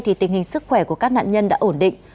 thì tình hình sức khỏe của các nạn nhân đã ổn định